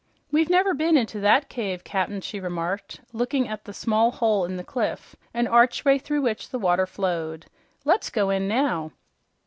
"We've never been into that cave, Cap'n," she remarked, looking at the small hole in the cliff an archway through which the water flowed. "Let's go in now."